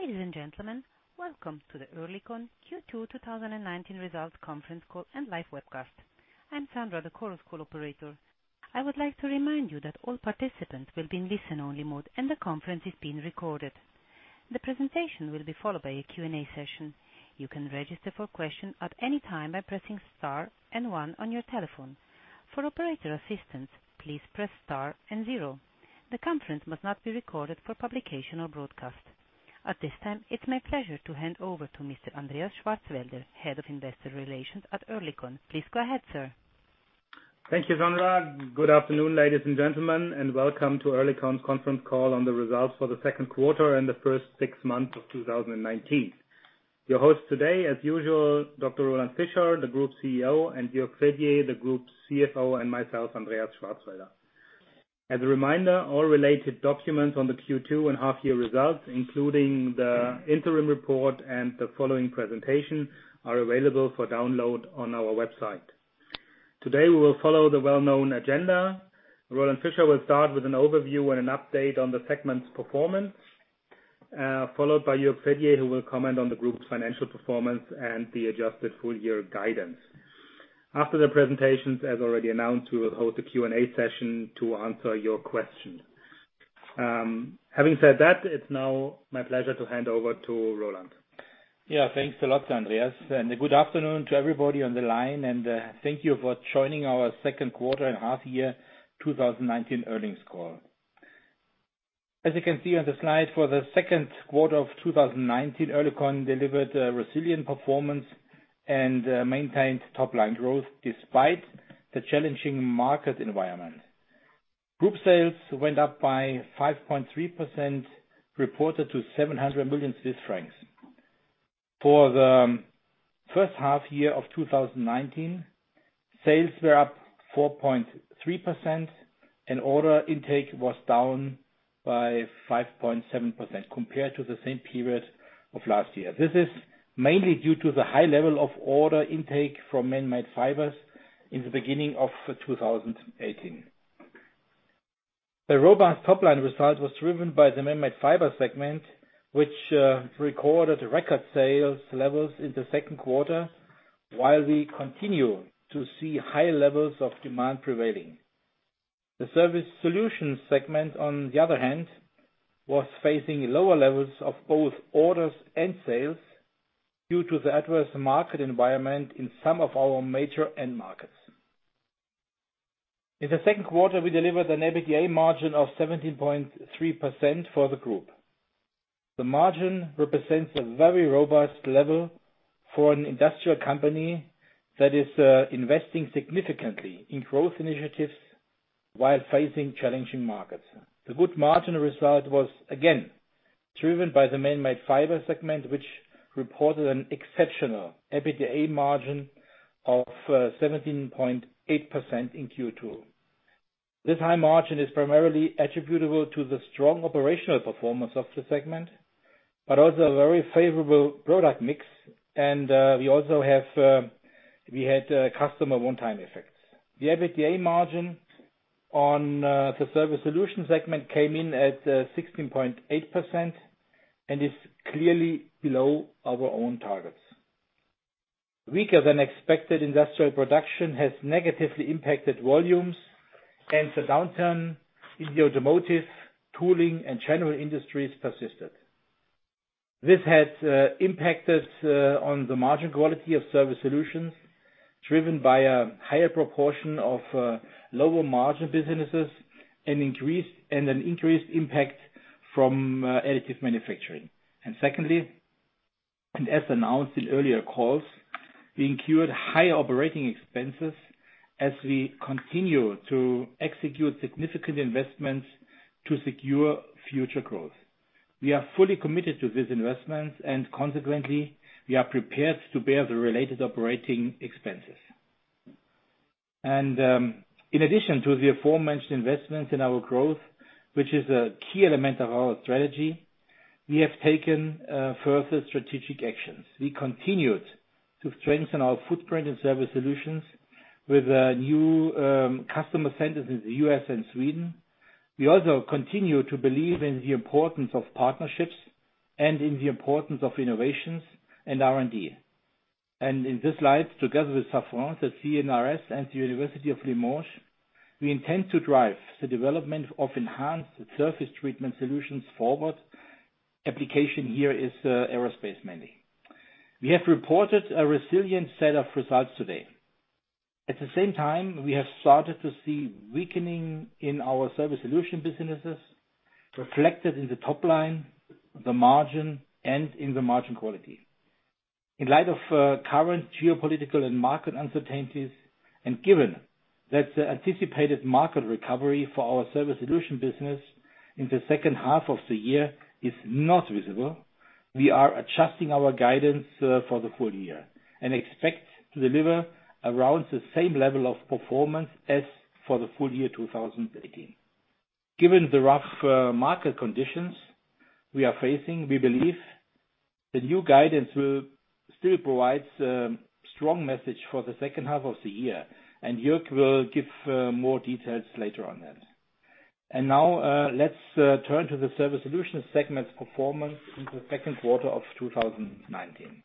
Ladies and gentlemen, welcome to the Oerlikon Q2 2019 results conference call and live webcast. I'm Sandra, the Chorus Call operator. I would like to remind you that all participants will be in listen-only mode and the conference is being recorded. The presentation will be followed by a Q&A session. You can register for question at any time by pressing star and one on your telephone. For operator assistance, please press star and zero. The conference must not be recorded for publication or broadcast. At this time, it's my pleasure to hand over to Mr. Andreas Schwarzwälder, Head of Investor Relations at Oerlikon. Please go ahead, sir. Thank you, Sandra. Good afternoon, ladies and gentlemen, and welcome to OC Oerlikon conference call on the results for the second quarter and the first six months of 2019. Your host today, as usual, Dr. Roland Fischer, the Group CEO, and Jürg Fedier, the Group CFO, and myself, Andreas Schwarzwälder. As a reminder, all related documents on the Q2 and half year results, including the interim report and the following presentation, are available for download on our website. Today, we will follow the well-known agenda. Roland Fischer will start with an overview and an update on the segment's performance, followed by Jürg Fedier, who will comment on the group's financial performance and the adjusted full year guidance. After the presentations, as already announced, we will hold a Q&A session to answer your questions. Having said that, it's now my pleasure to hand over to Roland. Yeah, thanks a lot, Andreas, and good afternoon to everybody on the line, and thank you for joining our second quarter and half year 2019 earnings call. As you can see on the slide, for the second quarter of 2019, Oerlikon delivered a resilient performance and maintained top line growth despite the challenging market environment. Group sales went up by 5.3%, reported to 700 million Swiss francs. For the first half year of 2019, sales were up 4.3% and order intake was down by 5.7% compared to the same period of last year. This is mainly due to the high level of order intake from Manmade Fibers in the beginning of 2018. The robust top line result was driven by the Manmade Fibers segment, which recorded record sales levels in the second quarter, while we continue to see high levels of demand prevailing. The Surface Solutions segment, on the other hand, was facing lower levels of both orders and sales due to the adverse market environment in some of our major end markets. In the second quarter, we delivered an EBITDA margin of 17.3% for the group. The margin represents a very robust level for an industrial company that is investing significantly in growth initiatives while facing challenging markets. The good margin result was again driven by the Manmade Fibers segment, which reported an exceptional EBITDA margin of 17.8% in Q2. This high margin is primarily attributable to the strong operational performance of the segment, but also a very favorable product mix, and we also had customer one-time effects. The EBITDA margin on the Surface Solutions segment came in at 16.8% and is clearly below our own targets. Weaker than expected industrial production has negatively impacted volumes, and the downturn in the automotive tooling and general industries persisted. This has impacted on the margin quality of Surface Solutions driven by a higher proportion of lower margin businesses and an increased impact from additive manufacturing. Secondly, and as announced in earlier calls, we incurred high operating expenses as we continue to execute significant investments to secure future growth. We are fully committed to these investments and consequently, we are prepared to bear the related operating expenses. In addition to the aforementioned investment in our growth, which is a key element of our strategy, we have taken further strategic actions. We continued to strengthen our footprint in Surface Solutions with new customer centers in the U.S. and Sweden. We also continue to believe in the importance of partnerships and in the importance of innovations and R&D. In this light, together with Safran, the CNRS, and the University of Limoges, we intend to drive the development of enhanced surface treatment solutions forward. Application here is aerospace mainly. We have reported a resilient set of results today. At the same time, we have started to see weakening in our Surface Solutions business reflected in the top line, the margin, and in the margin quality. In light of current geopolitical and market uncertainties, and given that the anticipated market recovery for our Surface Solutions business in the second half of the year is not visible, we are adjusting our guidance for the full year and expect to deliver around the same level of performance as for the full year 2018. Given the rough market conditions we are facing, we believe the new guidance will still provide strong message for the second half of the year. Jürg will give more details later on that. Now, let's turn to the Surface Solutions segment performance in the second quarter of 2019.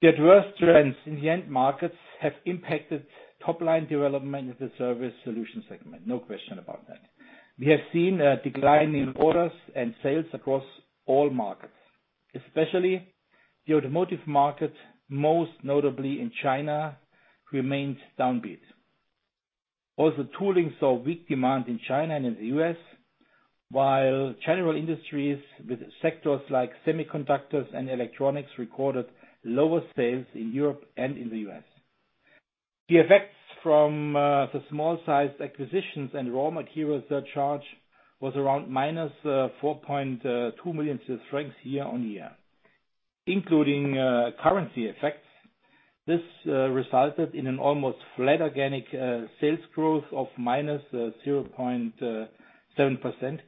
The adverse trends in the end markets have impacted top-line development of the Surface Solutions segment. No question about that. We have seen a decline in orders and sales across all markets, especially the automotive market, most notably in China, remains downbeat. Also tooling saw weak demand in China and in the U.S., while general industries with sectors like semiconductors and electronics recorded lower sales in Europe and in the U.S. The effects from the small-sized acquisitions and raw material surcharge was around minus CHF 4.2 million year-on-year. Including currency effects, this resulted in an almost flat organic sales growth of -0.7%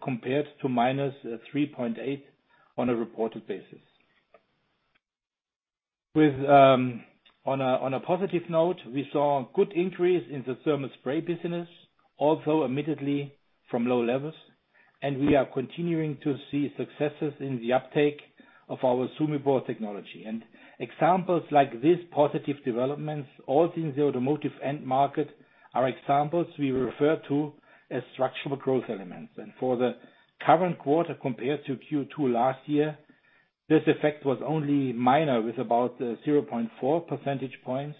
compared to -3.8% on a reported basis. On a positive note, we saw good increase in the thermal spray business, although admittedly from low levels. We are continuing to see successes in the uptake of our SUMEBore technology. Examples like this positive developments, all things the automotive end market, are examples we refer to as structural growth elements. For the current quarter compared to Q2 last year, this effect was only minor with about 0.4 percentage points.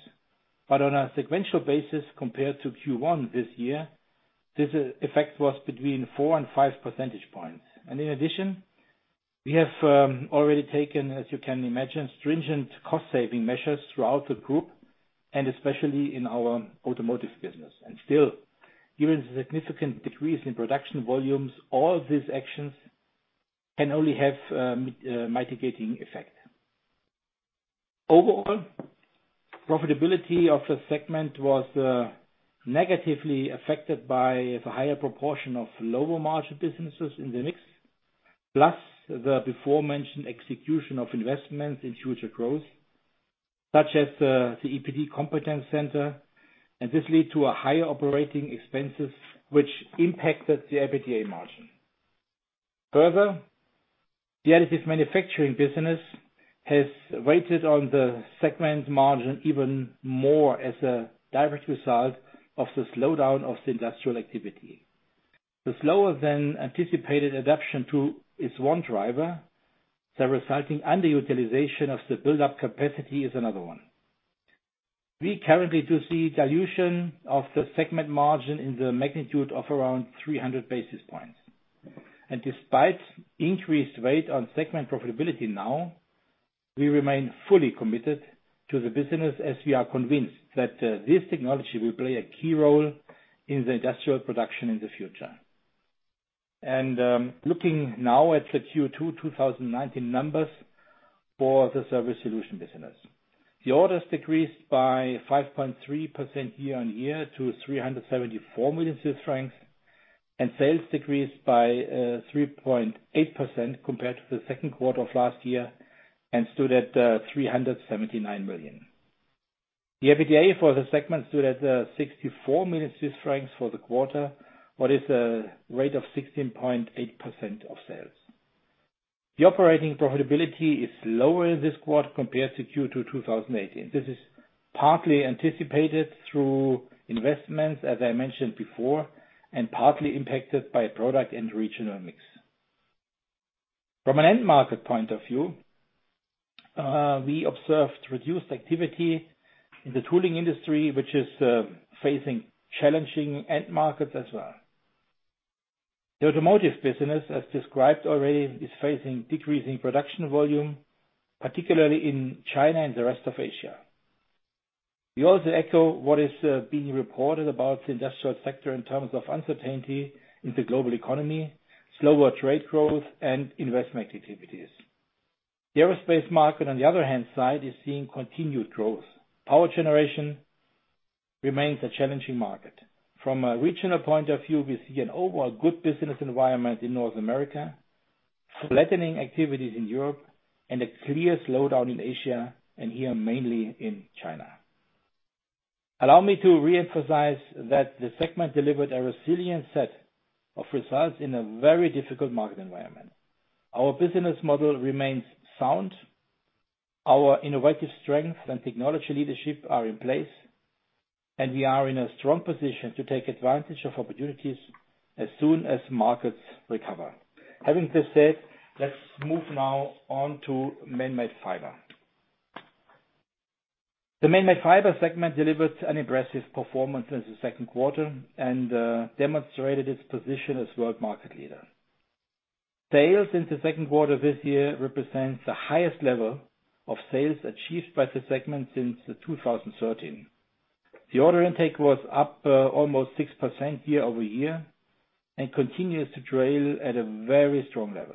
On a sequential basis compared to Q1 this year, this effect was between four and five percentage points. In addition, we have already taken, as you can imagine, stringent cost-saving measures throughout the group, and especially in our automotive business. Still, given the significant decrease in production volumes, all these actions can only have a mitigating effect. Overall, profitability of the segment was negatively affected by the higher proportion of lower margin businesses in the mix. Plus the beforementioned execution of investments in future growth, such as the EPD Competence Center, and this led to higher operating expenses, which impacted the EBITDA margin. Further, the additive manufacturing business has weighed on the segment margin even more as a direct result of the slowdown of the industrial activity. The slower than anticipated adaption to is one driver, the resulting underutilization of the buildup capacity is another one. We currently do see dilution of the segment margin in the magnitude of around 300 basis points. Despite increased weight on segment profitability now, we remain fully committed to the business as we are convinced that this technology will play a key role in the industrial production in the future. Looking now at the Q2 2019 numbers for the Surface Solutions business. The orders decreased by 5.3% year-on-year to 374 million francs, sales decreased by 3.8% compared to the second quarter of last year and stood at 379 million. The EBITDA for the segment stood at 64 million Swiss francs for the quarter, what is a rate of 16.8% of sales. The operating profitability is lower this quarter compared to Q2 2018. This is partly anticipated through investments, as I mentioned before, and partly impacted by product and regional mix. From an end market point of view, we observed reduced activity in the tooling industry, which is facing challenging end markets as well. The automotive business, as described already, is facing decreasing production volume, particularly in China and the rest of Asia. We also echo what is being reported about the industrial sector in terms of uncertainty in the global economy, slower trade growth and investment activities. The aerospace market, on the other hand side, is seeing continued growth. Power generation remains a challenging market. From a regional point of view, we see an overall good business environment in North America, flattening activities in Europe, and a clear slowdown in Asia, and here, mainly in China. Allow me to reemphasize that the segment delivered a resilient set of results in a very difficult market environment. Our business model remains sound. Our innovative strength and technology leadership are in place, and we are in a strong position to take advantage of opportunities as soon as markets recover. Having this said, let's move now on to Manmade Fibers. The Manmade Fibers segment delivered an impressive performance in the second quarter and demonstrated its position as world market leader. Sales in the second quarter this year represents the highest level of sales achieved by the segment since 2013. The order intake was up almost 6% year-over-year and continues to trail at a very strong level.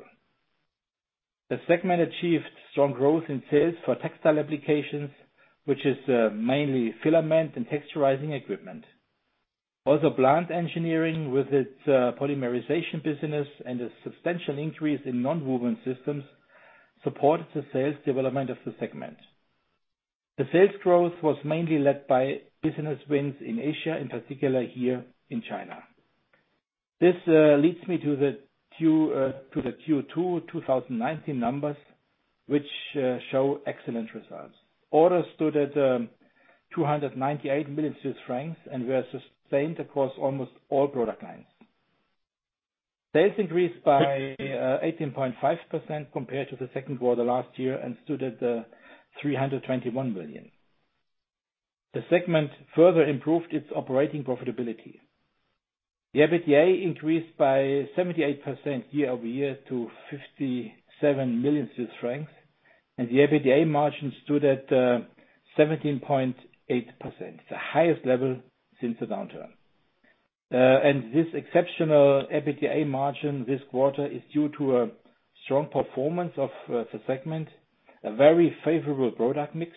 The segment achieved strong growth in sales for textile applications, which is mainly filament and texturizing equipment. Plant engineering with its polymerization business and a substantial increase in nonwoven systems supported the sales development of the segment. The sales growth was mainly led by business wins in Asia, in particular here in China. This leads me to the Q2 2019 numbers, which show excellent results. Orders stood at 298 million francs and were sustained across almost all product lines. Sales increased by 18.5% compared to the second quarter last year and stood at 321 million. The segment further improved its operating profitability. The EBITDA increased by 78% year-over-year to 57 million Swiss francs, and the EBITDA margin stood at 17.8%, the highest level since the downturn. This exceptional EBITDA margin this quarter is due to a strong performance of the segment, a very favorable product mix,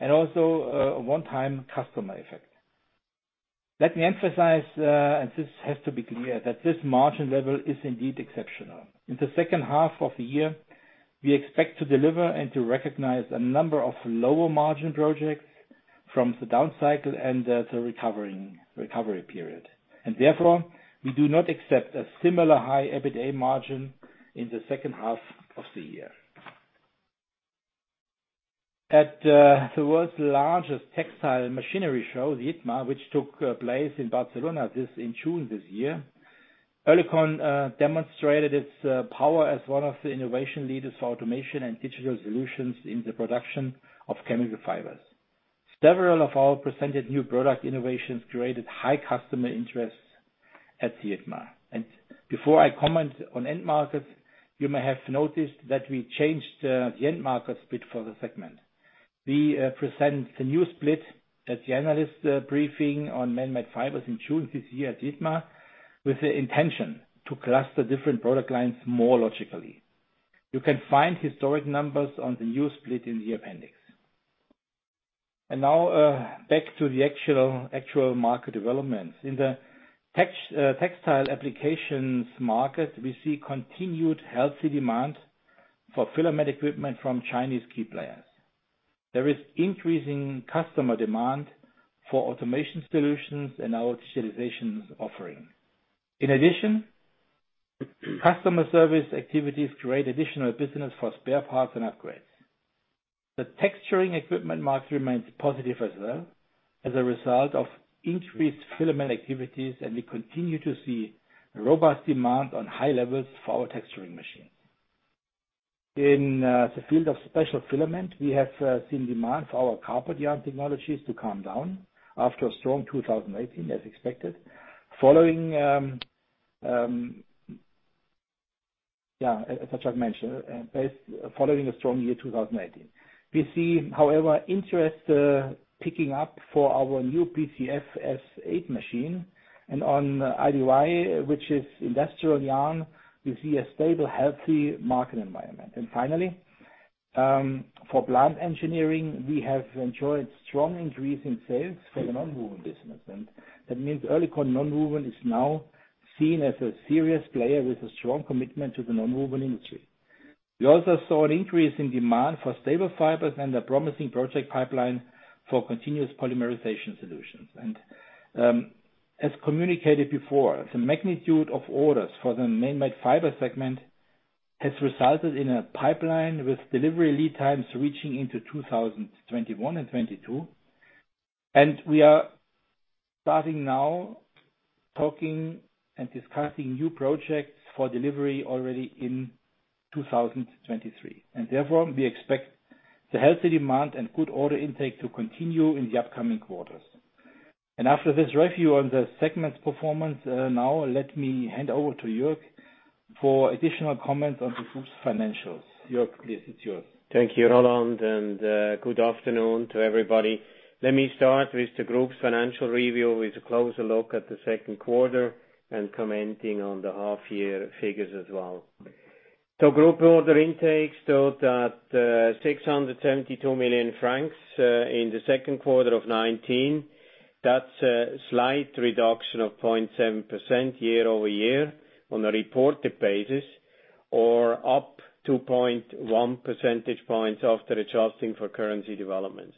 and also a one-time customer effect. Let me emphasize, and this has to be clear, that this margin level is indeed exceptional. In the second half of the year, we expect to deliver and to recognize a number of lower margin projects from the down cycle and the recovery period. Therefore, we do not accept a similar high EBITDA margin in the second half of the year. At the world's largest textile machinery show, ITMA, which took place in Barcelona in June this year, Oerlikon demonstrated its power as one of the innovation leaders for automation and digital solutions in the production of chemical fibers. Several of our presented new product innovations created high customer interest at ITMA. Before I comment on end markets, you may have noticed that we changed the end market split for the segment. We present the new split at the analyst briefing on Manmade Fibers in June this year at ITMA with the intention to cluster different product lines more logically. You can find historic numbers on the new split in the appendix. Now back to the actual market developments. In the textile applications market, we see continued healthy demand for filament equipment from Chinese key players. There is increasing customer demand for automation solutions and our digital solutions offering. In addition, customer service activities create additional business for spare parts and upgrades. The texturizing equipment market remains positive as well as a result of increased filament activities, and we continue to see robust demand on high levels for our texturizing machine. In the field of special filament, we have seen demand for our carpet yarn technologies to come down after a strong 2018, as expected. As I've mentioned, following a strong year 2018. We see, however, interest picking up for our new BCF S8 machine, and on IDY, which is industrial yarn, we see a stable, healthy market environment. Finally, for plant engineering, we have enjoyed strong increase in sales for the nonwoven business. That means Oerlikon Nonwoven is now seen as a serious player with a strong commitment to the nonwoven industry. We also saw an increase in demand for staple fibers and a promising project pipeline for continuous polymerization solutions. As communicated before, the magnitude of orders for the Manmade Fibers segment has resulted in a pipeline with delivery lead times reaching into 2021 and 2022. We are starting now talking and discussing new projects for delivery already in 2023. Therefore, we expect the healthy demand and good order intake to continue in the upcoming quarters. After this review on the segment's performance, now let me hand over to Jürg for additional comments on the group's financials. Jürg, please, it's yours. Thank you, Roland. Good afternoon to everybody. Let me start with the group's financial review with a closer look at the second quarter and commenting on the half year figures as well. Group order intakes stood at 672 million francs in the second quarter of 2019. That's a slight reduction of 0.7% year-over-year on a reported basis or up 2.1 percentage points after adjusting for currency developments.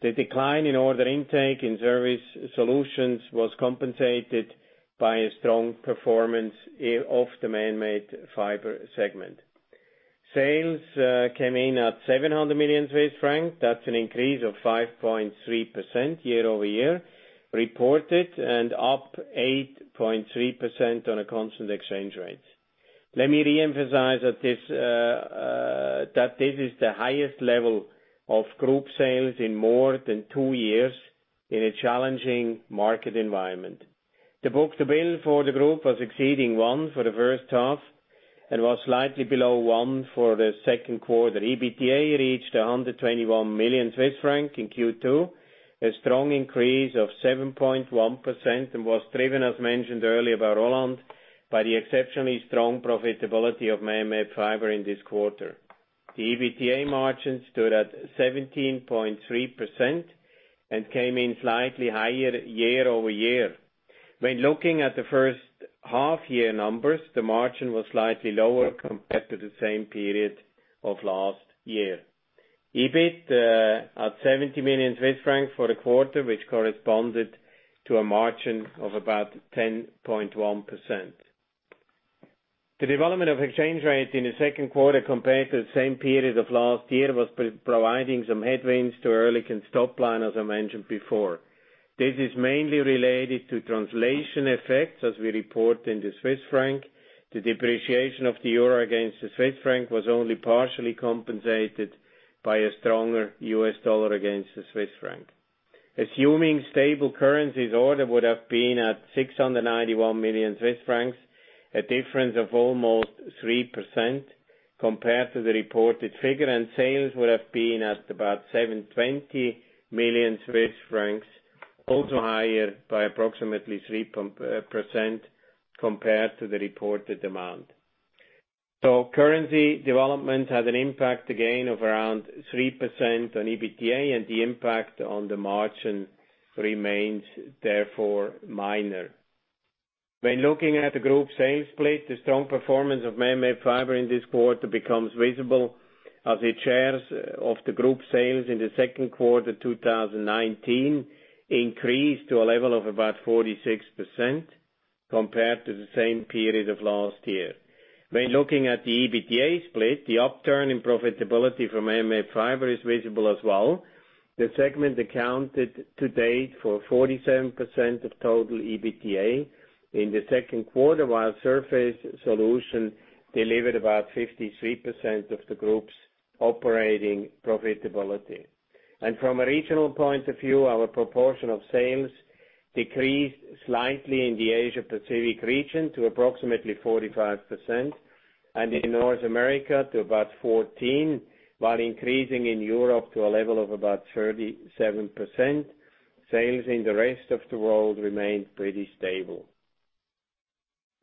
The decline in order intake in Surface Solutions was compensated by a strong performance of the Manmade Fibers segment. Sales came in at 700 million Swiss francs. That's an increase of 5.3% year-over-year reported and up 8.3% on a constant exchange rate. Let me reemphasize that this is the highest level of group sales in more than two years in a challenging market environment. The book-to-bill for the group was exceeding 1 for the first half and was slightly below 1 for the second quarter. EBITDA reached 121 million Swiss francs in Q2, a strong increase of 7.1% and was driven, as mentioned earlier by Roland, by the exceptionally strong profitability of Manmade Fibers in this quarter. The EBITDA margin stood at 17.3% and came in slightly higher year-over-year. When looking at the first half-year numbers, the margin was slightly lower compared to the same period of last year. EBIT at 70 million Swiss francs for the quarter, which corresponded to a margin of about 10.1%. The development of exchange rate in the second quarter compared to the same period of last year was providing some headwinds to Oerlikon's top line, as I mentioned before. This is mainly related to translation effects as we report in the Swiss franc. The depreciation of the euro against the Swiss franc was only partially compensated by a stronger US dollar against the Swiss franc. Assuming stable currencies, order would have been at 691 million Swiss francs, a difference of almost 3% compared to the reported figure, and sales would have been at about 720 million Swiss francs, also higher by approximately 3% compared to the reported amount. Currency development had an impact again of around 3% on EBITDA, and the impact on the margin remains therefore minor. When looking at the group sales split, the strong performance of Manmade Fibers in this quarter becomes visible as it shares of the group sales in the second quarter 2019 increased to a level of about 46% compared to the same period of last year. When looking at the EBITDA split, the upturn in profitability from Manmade Fibers is visible as well. The segment accounted to date for 47% of total EBITDA in the second quarter, while Surface Solutions delivered about 53% of the group's operating profitability. From a regional point of view, our proportion of sales decreased slightly in the Asia Pacific region to approximately 45% and in North America to about 14%, while increasing in Europe to a level of about 37%. Sales in the rest of the world remained pretty stable.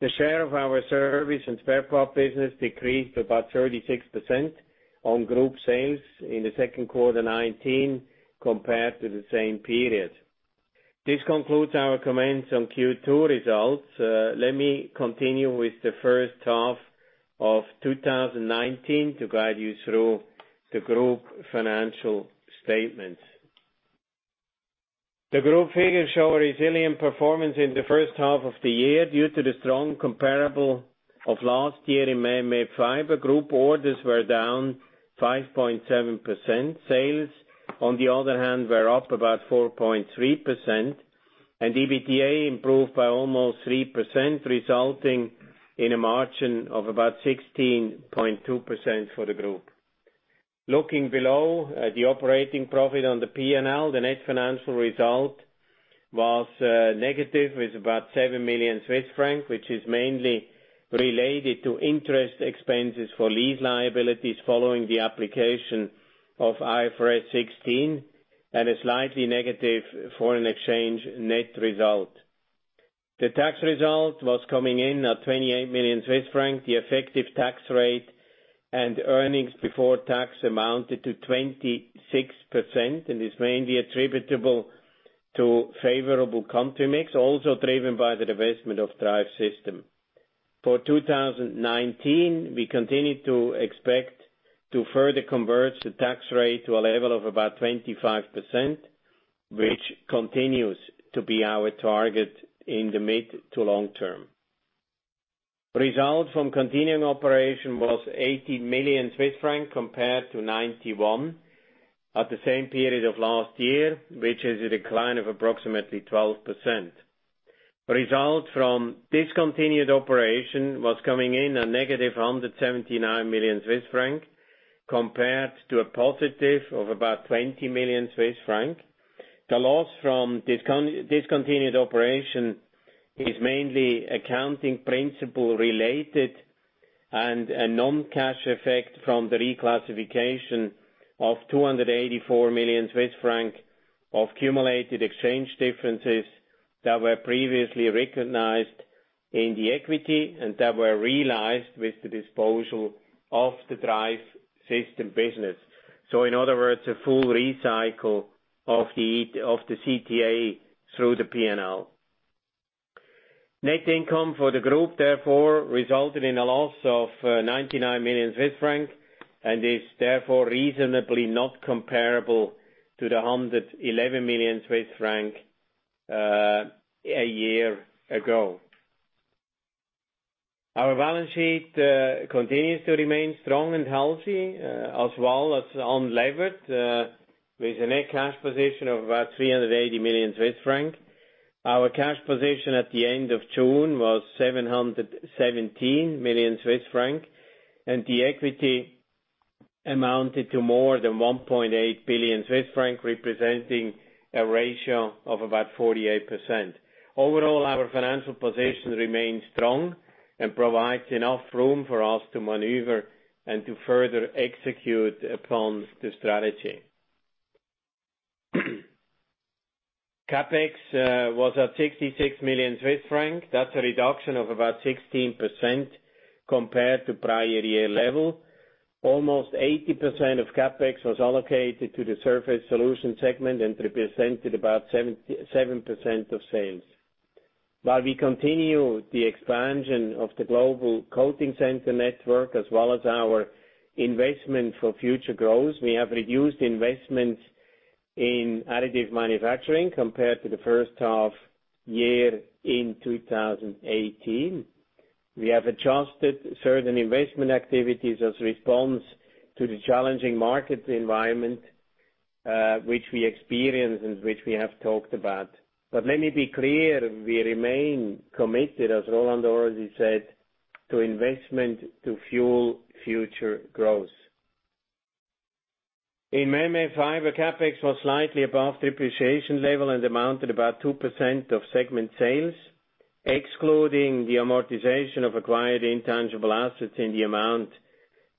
The share of our service and spare part business decreased about 36% on group sales in the second quarter 2019 compared to the same period. This concludes our comments on Q2 results. Let me continue with the first half of 2019 to guide you through the group financial statements. The group figures show a resilient performance in the first half of the year due to the strong comparable of last year in Manmade Fibers. Group orders were down 5.7%. Sales, on the other hand, were up about 4.3%, and EBITDA improved by almost 3%, resulting in a margin of about 16.2% for the group. Looking below the operating profit on the P&L, the net financial result was negative with about seven million CHF, which is mainly related to interest expenses for lease liabilities following the application of IFRS 16 and a slightly negative foreign exchange net result. The tax result was coming in at 28 million Swiss francs. The effective tax rate and earnings before tax amounted to 26% and is mainly attributable to favorable country mix, also driven by the divestment of Drive Systems. For 2019, we continue to expect to further converge the tax rate to a level of about 25%, which continues to be our target in the mid to long term. Results from continuing operation was 80 million Swiss francs compared to 91 at the same period of last year, which is a decline of approximately 12%. Results from discontinued operation was coming in at negative 179 million Swiss franc, compared to a positive of about 20 million Swiss franc. The loss from discontinued operation is mainly accounting principle related and a non-cash effect from the reclassification of 284 million Swiss francs of accumulated exchange differences that were previously recognized in the equity and that were realized with the disposal of the Drive Systems business. In other words, a full recycle of the CTA through the P&L. Net income for the group therefore resulted in a loss of 99 million Swiss francs and is therefore reasonably not comparable to the 111 million Swiss francs a year ago. Our balance sheet continues to remain strong and healthy as well as unlevered, with a net cash position of about 380 million Swiss francs. Our cash position at the end of June was 717 million Swiss francs, and the equity amounted to more than 1.8 billion Swiss francs, representing a ratio of about 48%. Overall, our financial position remains strong and provides enough room for us to maneuver and to further execute upon the strategy. CapEx was at 66 million Swiss francs. That's a reduction of about 16% compared to prior year level. Almost 80% of CapEx was allocated to the Surface Solutions segment and represented about 7% of sales. While we continue the expansion of the global coating center network as well as our investment for future growth, we have reduced investments in additive manufacturing compared to the first half year in 2018. We have adjusted certain investment activities as response to the challenging market environment, which we experience and which we have talked about. Let me be clear, we remain committed, as Roland already said, to investment to fuel future growth. In Manmade Fibers, CapEx was slightly above depreciation level and amounted about 2% of segment sales, excluding the amortization of acquired intangible assets in the amount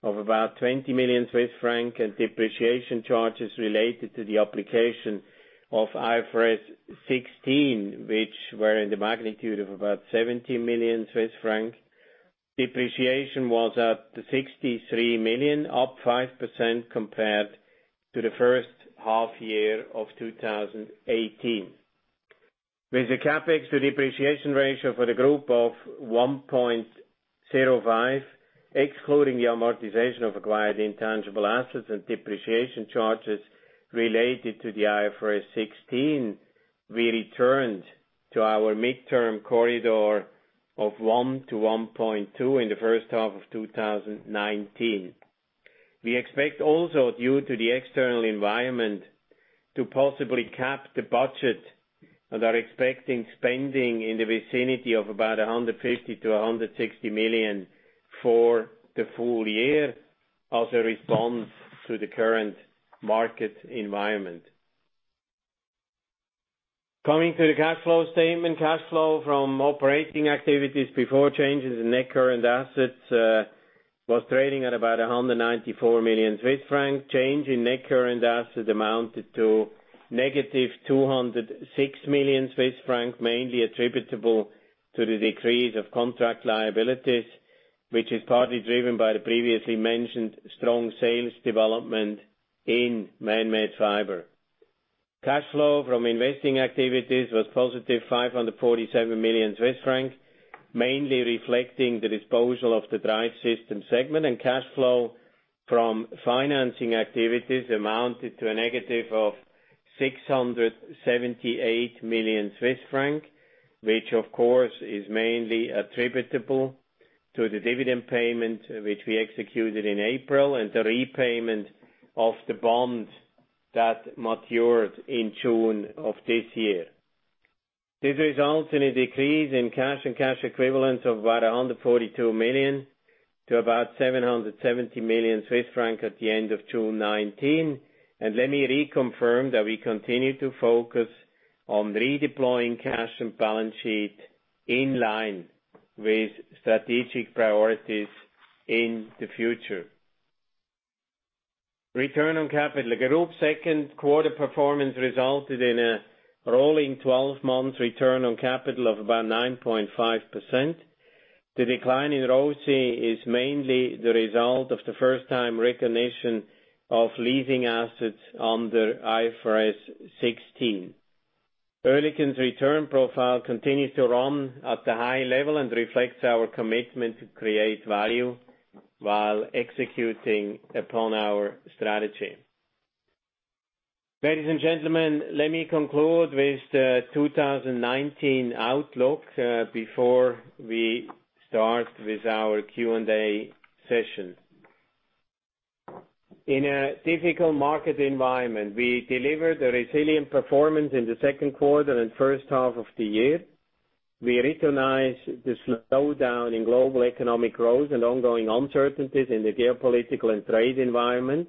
of about 20 million Swiss francs and depreciation charges related to the application of IFRS 16, which were in the magnitude of about 70 million Swiss franc. Depreciation was at 63 million, up 5% compared to the first half year of 2018. With the CapEx to depreciation ratio for the group of 1.05, excluding the amortization of acquired intangible assets and depreciation charges related to the IFRS 16, we returned to our midterm corridor of 1 to 1.2 in the first half of 2019. We expect also due to the external environment to possibly cap the budget and are expecting spending in the vicinity of about 150 million-160 million for the full year as a response to the current market environment. Coming to the cash flow statement, cash flow from operating activities before changes in net current assets, was trading at about 194 million Swiss francs. Change in net current assets amounted to negative 206 million Swiss francs, mainly attributable to the decrease of contract liabilities, which is partly driven by the previously mentioned strong sales development in Manmade Fibers. Cash flow from investing activities was positive 547 million Swiss francs, mainly reflecting the disposal of the Drive Systems segment, and cash flow from financing activities amounted to a negative of 678 million Swiss francs, which of course is mainly attributable to the dividend payment which we executed in April, and the repayment of the bond that matured in June of this year. This results in a decrease in cash and cash equivalents of about 142 million to about 770 million Swiss francs at the end of June 2019. Let me reconfirm that we continue to focus on redeploying cash and balance sheet in line with strategic priorities in the future. Return on capital. Group second quarter performance resulted in a rolling 12 months return on capital of about 9.5%. The decline in ROC is mainly the result of the first time recognition of leasing assets under IFRS 16. Oerlikon's return profile continues to run at a high level and reflects our commitment to create value while executing upon our strategy. Ladies and gentlemen, let me conclude with the 2019 outlook, before we start with our Q&A session. In a difficult market environment, we delivered a resilient performance in the second quarter and first half of the year. We recognize the slowdown in global economic growth and ongoing uncertainties in the geopolitical and trade environment,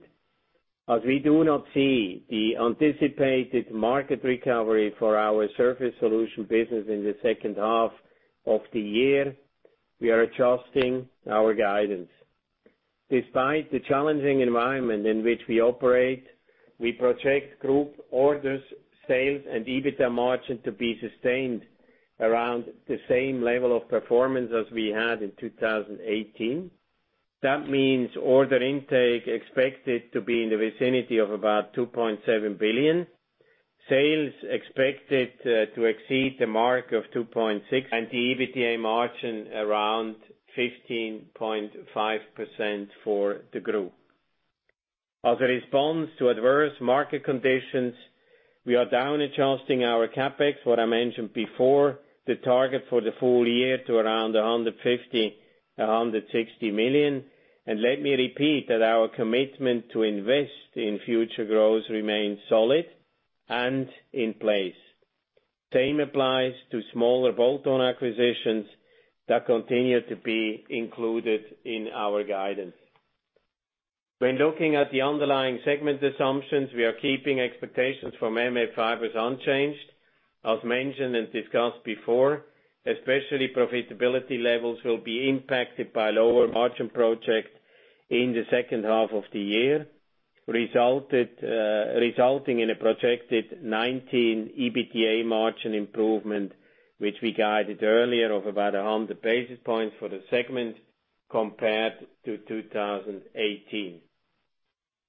as we do not see the anticipated market recovery for our Surface Solutions business in the second half of the year. We are adjusting our guidance. Despite the challenging environment in which we operate, we project group orders, sales, and EBITDA margin to be sustained around the same level of performance as we had in 2018. That means order intake expected to be in the vicinity of about 2.7 billion. Sales expected to exceed the mark of 2.6 billion, and the EBITDA margin around 15.5% for the group. As a response to adverse market conditions, we are down adjusting our CapEx, what I mentioned before, the target for the full year to around 150 million-160 million. Let me repeat that our commitment to invest in future growth remains solid and in place. Same applies to smaller bolt-on acquisitions that continue to be included in our guidance. When looking at the underlying segment assumptions, we are keeping expectations from Manmade Fibers unchanged. As mentioned and discussed before, especially profitability levels will be impacted by lower margin projects in the second half of the year, resulting in a projected 2019 EBITDA margin improvement, which we guided earlier of about 100 basis points for the segment, compared to 2018.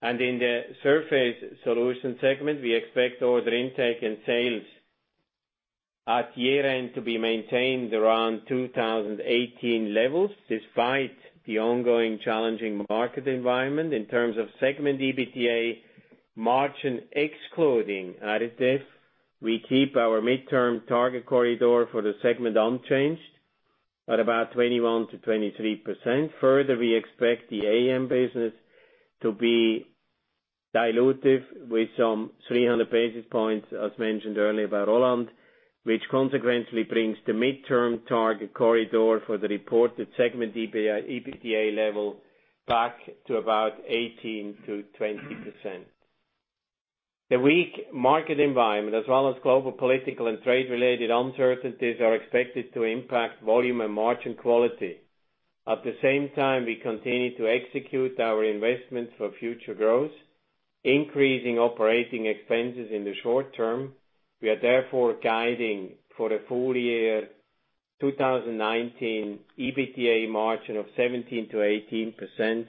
In the Surface Solutions segment, we expect order intake and sales at year-end to be maintained around 2018 levels, despite the ongoing challenging market environment. In terms of segment EBITDA margin excluding additives, we keep our midterm target corridor for the segment unchanged at about 21%-23%. Further, we expect the AM business to be dilutive with some 300 basis points, as mentioned earlier by Roland, which consequently brings the midterm target corridor for the reported segment EBITDA level back to about 18%-20%. The weak market environment, as well as global political and trade-related uncertainties, are expected to impact volume and margin quality. At the same time, we continue to execute our investments for future growth, increasing operating expenses in the short term. We are therefore guiding for the full year 2019 EBITDA margin of 17%-18%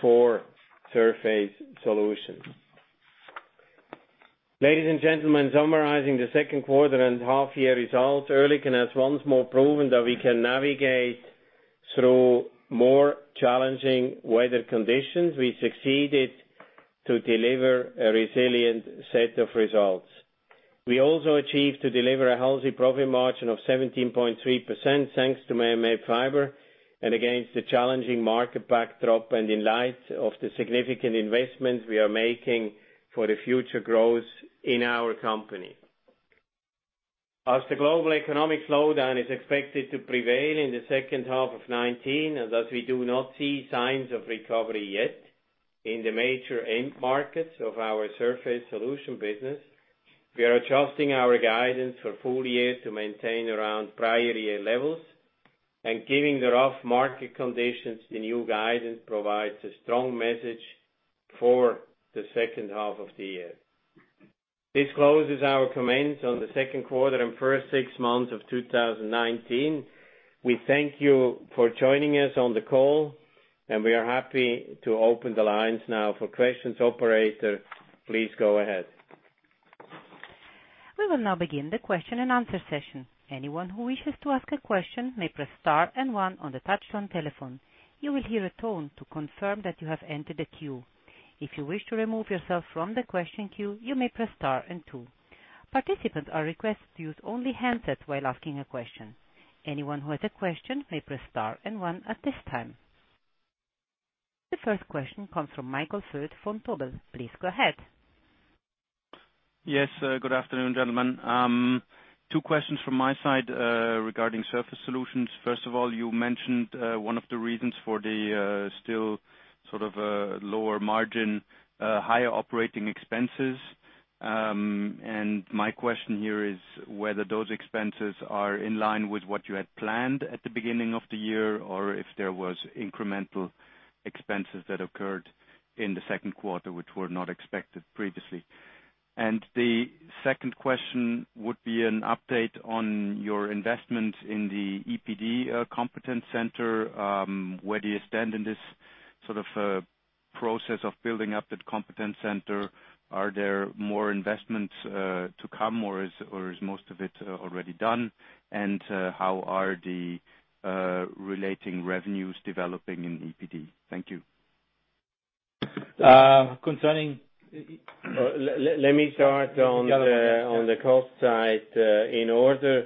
for Surface Solutions. Ladies and gentlemen, summarizing the second quarter and half-year results, Oerlikon has once more proven that we can navigate through more challenging weather conditions. We succeeded to deliver a resilient set of results. We also achieved to deliver a healthy profit margin of 17.3% thanks to Manmade Fibers, and against the challenging market backdrop, and in light of the significant investments we are making for the future growth in our company. As the global economic slowdown is expected to prevail in the second half of 2019, and as we do not see signs of recovery yet in the major end markets of our Surface Solutions business, we are adjusting our guidance for full year to maintain around prior year levels. Given the rough market conditions, the new guidance provides a strong message for the second half of the year. This closes our comments on the second quarter and first six months of 2019. We thank you for joining us on the call, and we are happy to open the lines now for questions. Operator, please go ahead. We will now begin the question and answer session. Anyone who wishes to ask a question may press star and one on the touch-tone telephone. You will hear a tone to confirm that you have entered the queue. If you wish to remove yourself from the question queue, you may press star and two. Participants are requested to use only handsets while asking a question. Anyone who has a question may press star and one at this time. The first question comes from Michael Foeth from Vontobel. Please go ahead. Yes. Good afternoon, gentlemen. Two questions from my side regarding Surface Solutions. First of all, you mentioned one of the reasons for the still sort of lower margin, higher operating expenses. My question here is whether those expenses are in line with what you had planned at the beginning of the year, or if there was incremental expenses that occurred in the second quarter, which were not expected previously. The second question would be an update on your investment in the EPD Competence Center. Where do you stand in this process of building up that Competence Center? Are there more investments to come, or is most of it already done? How are the relating revenues developing in EPD? Thank you. Let me start on the cost side. There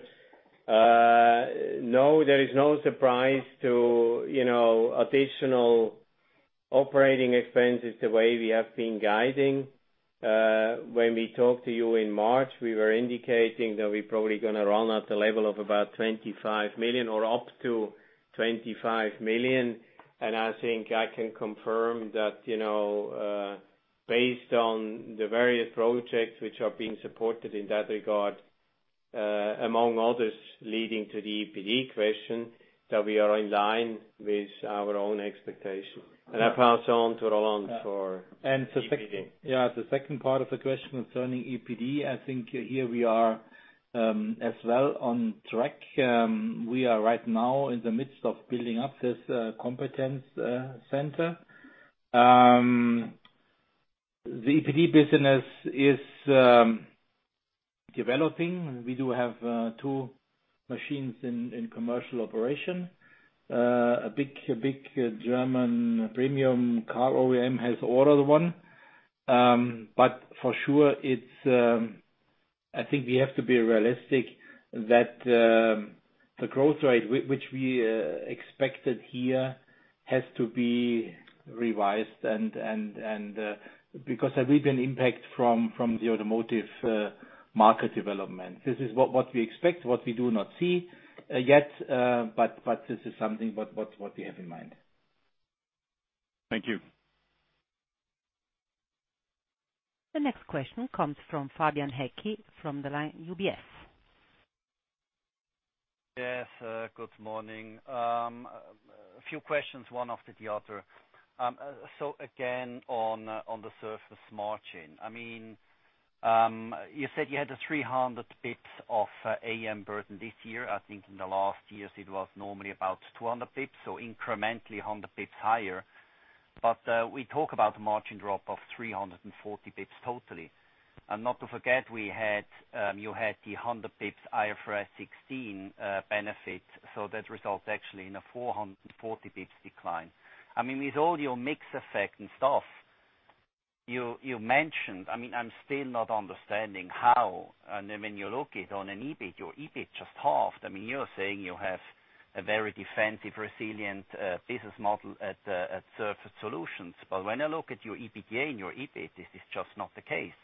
is no surprise to additional operating expenses the way we have been guiding. When we talked to you in March, we were indicating that we're probably going to run at a level of about 25 million or up to 25 million. I think I can confirm that based on the various projects which are being supported in that regard, among others, leading to the EPD question, that we are in line with our own expectations. I'll pass on to Roland for EPD. Yeah. The second part of the question concerning EPD, I think here we are as well on track. We are right now in the midst of building up this competence center. The EPD business is developing. We do have two machines in commercial operation. A big German premium car OEM has ordered one. For sure, I think we have to be realistic that the growth rate which we expected here has to be revised. Because there will be an impact from the automotive market development. This is what we expect, what we do not see yet. This is something what we have in mind. Thank you. The next question comes from Fabian Haecki from the line UBS. Yes, good morning. A few questions, one after the other. Again, on the surface margin. You said you had 300 basis points of AM burden this year. I think in the last years it was normally about 200 basis points, incrementally 100 basis points higher. We talk about a margin drop of 340 basis points totally. Not to forget, you had the 100 basis points IFRS 16 benefit, that results actually in a 440 basis points decline. With all your mix effect and stuff you mentioned, I'm still not understanding how. When you look it on an EBIT, your EBIT just halved. You're saying you have a very defensive, resilient business model at Surface Solutions, but when I look at your EBITDA and your EBIT, this is just not the case.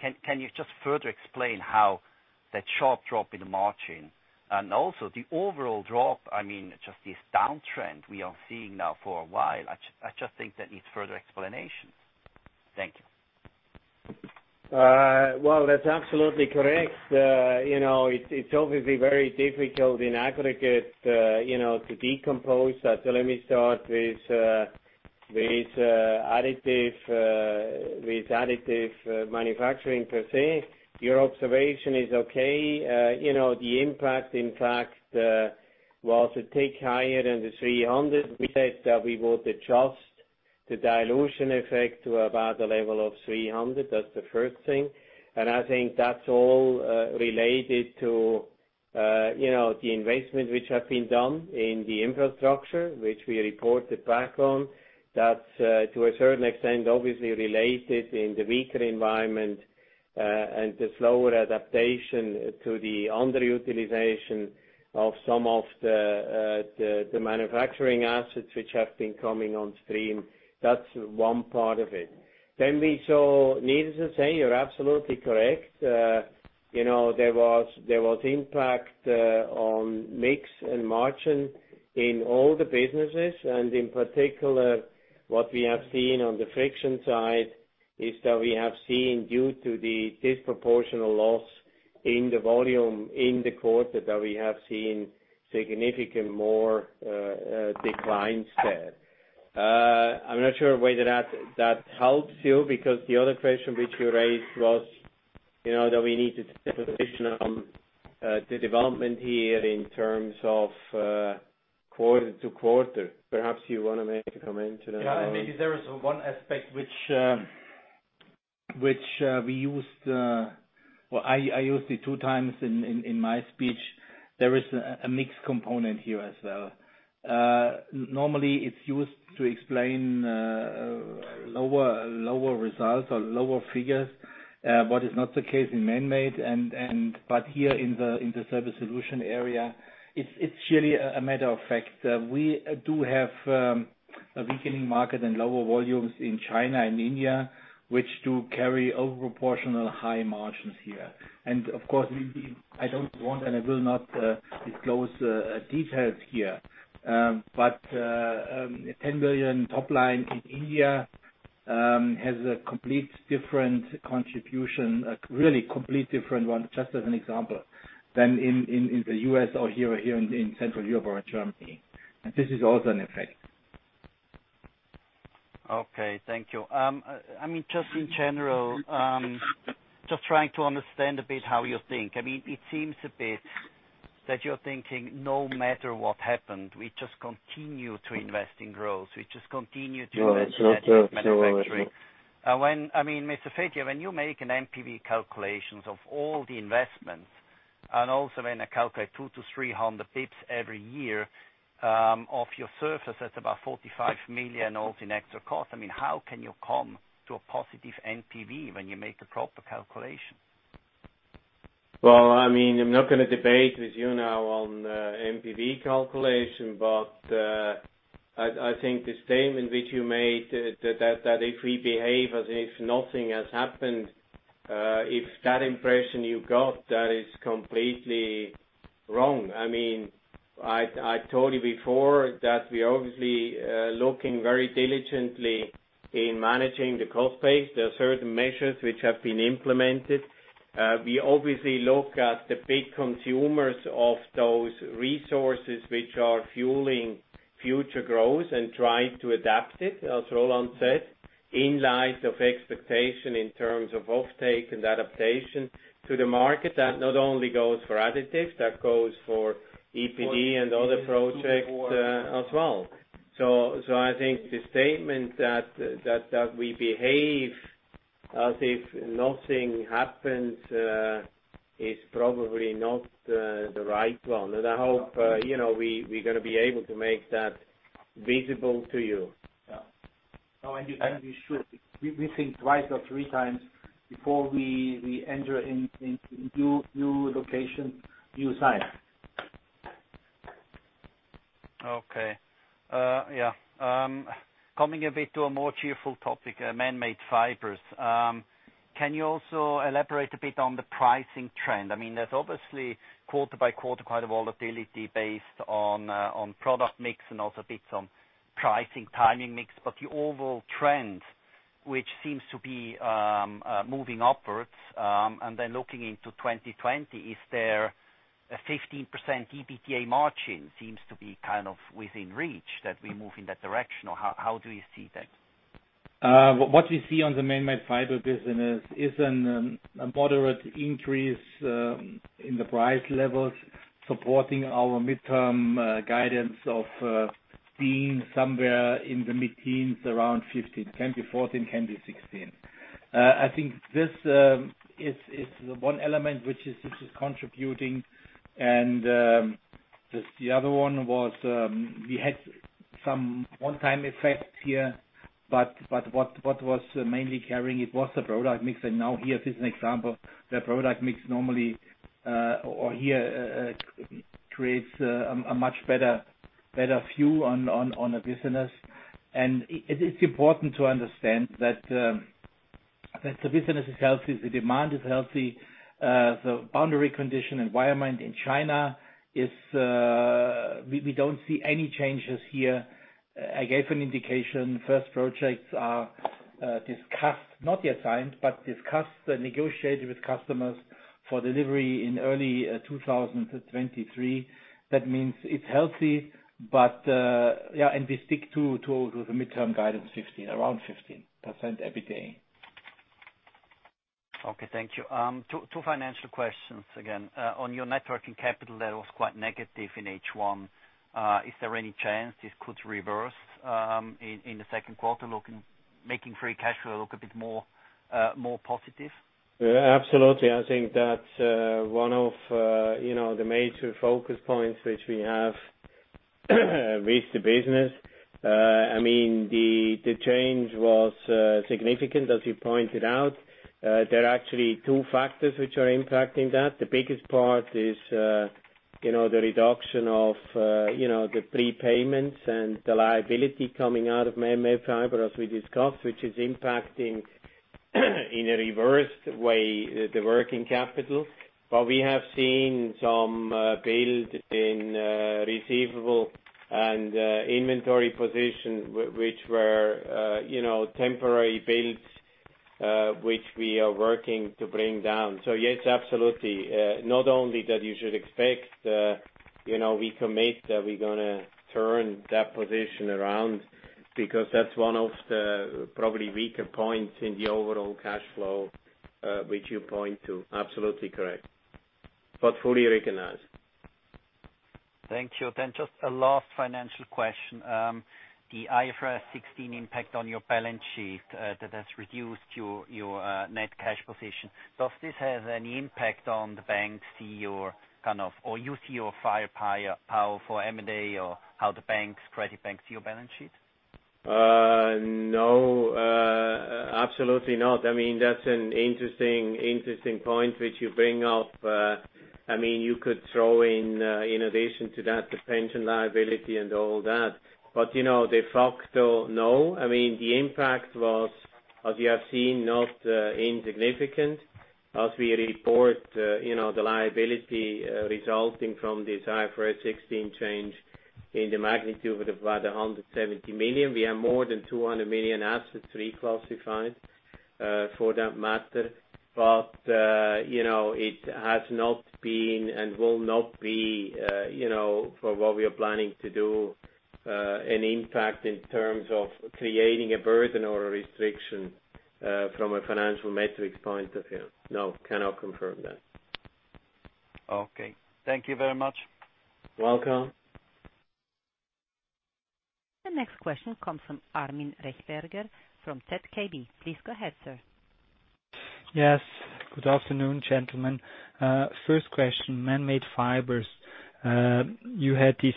Can you just further explain how that sharp drop in the margin and also the overall drop, just this downtrend we are seeing now for a while, I just think that needs further explanation? Thank you. That's absolutely correct. It's obviously very difficult in aggregate to decompose that. Let me start with additive manufacturing per se. Your observation is okay. The impact, in fact, was a tick higher than the 300. We said that we would adjust the dilution effect to about the level of 300. That's the first thing. I think that's all related to the investment which has been done in the infrastructure, which we reported back on. That's, to a certain extent, obviously related in the weaker environment, and the slower adaptation to the underutilization of some of the manufacturing assets which have been coming on stream. That's one part of it. We saw, needless to say, you're absolutely correct. There was impact on mix and margin in all the businesses. In particular, what we have seen on the friction side is that we have seen, due to the disproportional loss in the volume in the quarter, that we have seen significant more declines there. I'm not sure whether that helps you, because the other question which you raised was that we need to take a position on the development here in terms of quarter to quarter. Perhaps you want to make a comment to that, Roland. Maybe there is one aspect which we used, well, I used it two times in my speech. There is a mix component here as well. Normally, it's used to explain lower results or lower figures. What is not the case in Manmade, but here in the Surface Solutions area, it's really a matter of fact. We do have a weakening market and lower volumes in China and India, which do carry overproportional high margins here. Of course, I don't want and I will not disclose details here. 10 million top line in India has a complete different contribution, really complete different one, just as an example, than in the U.S. or here in Central Europe or in Germany. This is also an effect. Okay. Thank you. Just in general, just trying to understand a bit how you think. It seems a bit that you're thinking no matter what happens, we just continue to invest in growth. No. -in additive manufacturing. Mr. Fedier, when you make an NPV calculation of all the investments, and also when I calculate 2 to 300 basis points every year of your Surface, that's about 45 million all in extra cost. How can you come to a positive NPV when you make a proper calculation? Well, I'm not going to debate with you now on the NPV calculation, but I think the statement which you made that if we behave as if nothing has happened, if that impression you got, that is completely wrong. I told you before that we're obviously looking very diligently in managing the cost base. There are certain measures which have been implemented. We obviously look at the big consumers of those resources which are fueling future growth and trying to adapt it, as Roland said, in light of expectation in terms of offtake and adaptation to the market. That not only goes for additives, that goes for EPD and other projects as well. I think the statement that we behave as if nothing happens is probably not the right one. I hope we're going to be able to make that visible to you. Yeah. We should. We think twice or three times before we enter into new locations, new sites. Okay. Yeah. Coming a bit to a more cheerful topic, Manmade Fibers. Can you also elaborate a bit on the pricing trend? There's obviously quarter by quarter quite a volatility based on product mix and also bits on pricing, timing mix, but the overall trend, which seems to be moving upwards. Looking into 2020, is there a 15% EBITDA margin seems to be kind of within reach that we move in that direction? Or how do you see that? What we see on the Manmade Fibers business is a moderate increase in the price levels supporting our midterm guidance of being somewhere in the mid-teens, around 15. Can be 14, can be 16. I think this is the one element which is contributing. The other one was, we had some one-time effects here, but what was mainly carrying it was the product mix. Now here is an example where product mix normally, or here creates a much better view on a business. It's important to understand that the business is healthy, the demand is healthy. The boundary condition environment in China, we don't see any changes here. I gave an indication. First projects are discussed, not yet signed, but discussed and negotiated with customers for delivery in early 2023. That means it's healthy. Yeah, and we stick to the midterm guidance, around 15% EBITDA. Okay. Thank you. Two financial questions again. On your net working capital, that was quite negative in H1. Is there any chance this could reverse in the second quarter, making free cash flow look a bit more positive? Absolutely. I think that's one of the major focus points which we have with the business. The change was significant, as you pointed out. There are actually two factors which are impacting that. The biggest part is the reduction of the prepayments and the liability coming out of Manmade Fibers, as we discussed, which is impacting in a reversed way, the working capital. We have seen some build in receivable and inventory position, which were temporary builds, which we are working to bring down. Yes, absolutely. Not only that you should expect, we commit that we're going to turn that position around because that's one of the probably weaker points in the overall cash flow, which you point to. Absolutely correct, fully recognized. Thank you. Just a last financial question. The IFRS 16 impact on your balance sheet, that has reduced your net cash position. Does this have any impact on the banks see or you see your firepower for M&A or how the banks, credit banks see your balance sheet? No. Absolutely not. That's an interesting point which you bring up. You could throw in addition to that, the pension liability and all that. De facto, no. The impact was, as you have seen, not insignificant. As we report the liability resulting from this IFRS 16 change in the magnitude of about 170 million. We have more than 200 million assets reclassified for that matter. It has not been and will not be, for what we are planning to do, an impact in terms of creating a burden or a restriction from a financial metrics point of view. No, cannot confirm that. Okay. Thank you very much. Welcome. The next question comes from Armin Rechberger, from ZKB. Please go ahead, sir. Yes. Good afternoon, gentlemen. First question, Manmade Fibers. You had these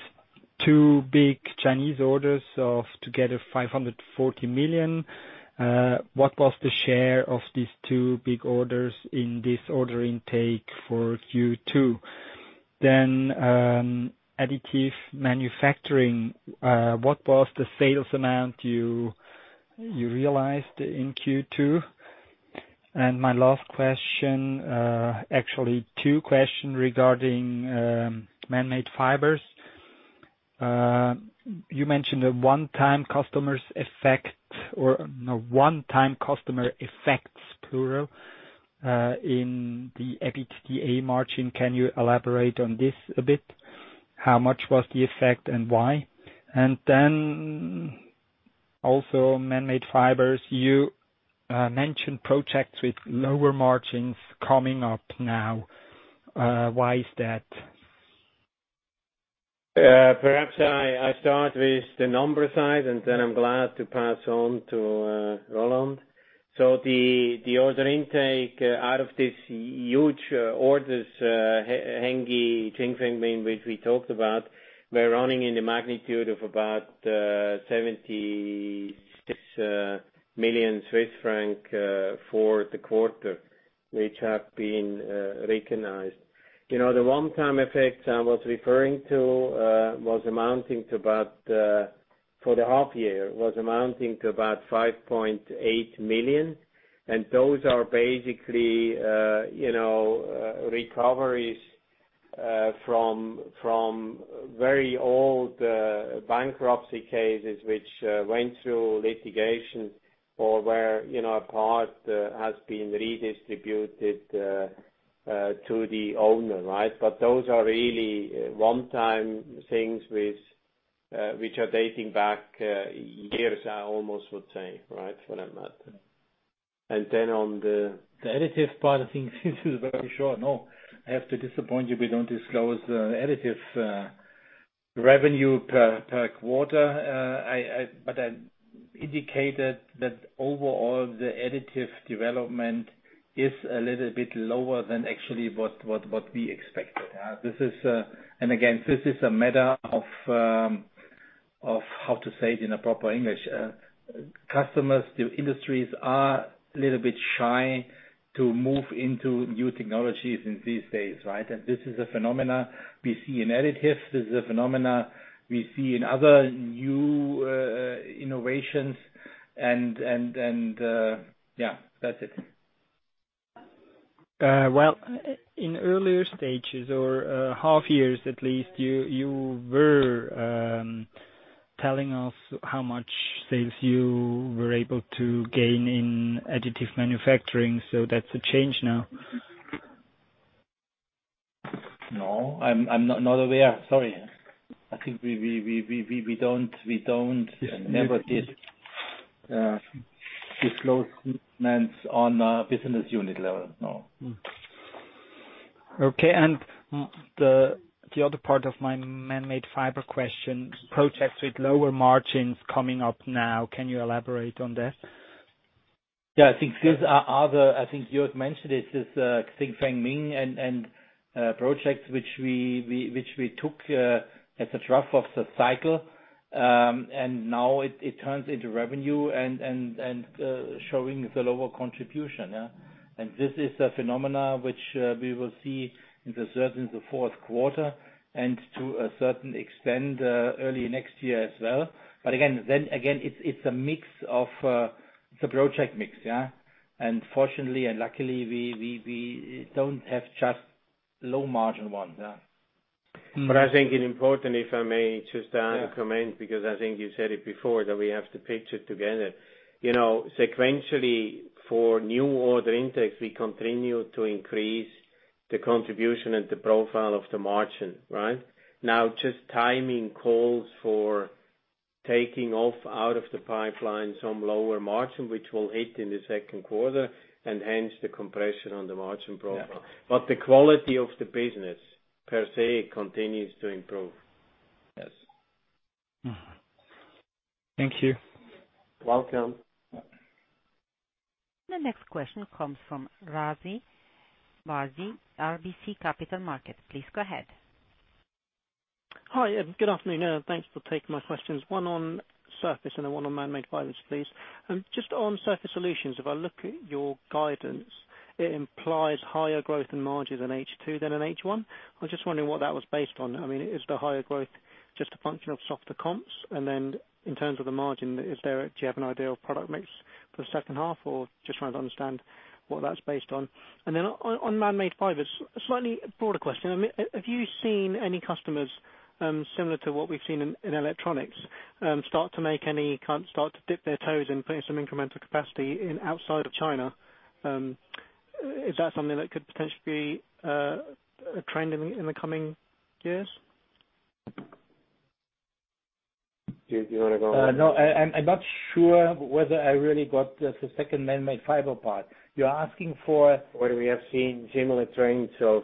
two big Chinese orders of together 540 million. What was the share of these two big orders in this order intake for Q2? Additive manufacturing. What was the sales amount you realized in Q2? My last question, actually two questions regarding Manmade Fibers. You mentioned a one-time customers effect or one-time customer effects, plural, in the EBITDA margin. Can you elaborate on this a bit? How much was the effect and why? Also Manmade Fibers, you mentioned projects with lower margins coming up now. Why is that? Perhaps I start with the number side, and then I'm glad to pass on to Roland. The order intake out of this huge orders, Hengyi, Xinfengming, which we talked about, were running in the magnitude of about 76 million Swiss francs for the quarter. Which have been recognized. The one-time effects I was referring to for the half year was amounting to about 5.8 million, and those are basically recoveries from very old bankruptcy cases, which went through litigation or where a part has been redistributed to the owner, right? Those are really one-time things which are dating back years, I almost would say, right? For that matter. Then on the- The additive part of things is very short. I have to disappoint you. We don't disclose additive revenue per quarter. I indicated that overall, the additive development is a little bit lower than actually what we expected. Again, this is a matter of, how to say it in a proper English, customers to industries are a little bit shy to move into new technologies in these days, right? This is a phenomena we see in additive, this is a phenomena we see in other new innovations. Yeah, that's it. Well, in earlier stages or half years at least, you were telling us how much sales you were able to gain in additive manufacturing, so that's a change now. No, I am not aware. Sorry. Yes. ever did disclose statements on a business unit level. No. Okay. The other part of my Manmade Fibers question, projects with lower margins coming up now, can you elaborate on that? Yeah. I think these are other, I think you have mentioned it, is Xinfengming and projects which we took at the trough of the cycle. Now it turns into revenue and showing the lower contribution. This is a phenomena which we will see in the third and the fourth quarter, and to a certain extent, early next year as well. Again, it's a project mix. Yeah. Fortunately, and luckily, we don't have just low margin ones. Yeah. I think it important, if I may just add a comment, because I think you said it before, that we have to pitch it together. Sequentially, for new order intakes, we continue to increase the contribution and the profile of the margin. Right? Just timing calls for taking off out of the pipeline some lower margin, which will hit in the second quarter, and hence the compression on the margin profile. Yeah. The quality of the business per se continues to improve. Yes. Thank you. Welcome. The next question comes from Rudina Bardhi, RBC Capital Markets. Please go ahead. Hi, good afternoon. Thanks for taking my questions. One on Surface Solutions, one on Manmade Fibers, please. Just on Surface Solutions, if I look at your guidance, it implies higher growth and margin in H2 than in H1. I was just wondering what that was based on. Is the higher growth just a function of softer comps? In terms of the margin, do you have an idea of product mix for the second half, or just trying to understand what that's based on. On Manmade Fibers, a slightly broader question. Have you seen any customers, similar to what we've seen in electronics, start to dip their toes in putting some incremental capacity in outside of China? Is that something that could potentially be a trend in the coming years? Do you want to go? No, I'm not sure whether I really got the second man-made fiber part. Whether we have seen similar trends of